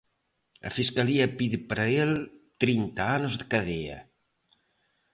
A Fiscalía pide para el trinta anos de cadea.